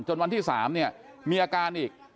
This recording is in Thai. วันที่๓เนี่ยมีอาการอีก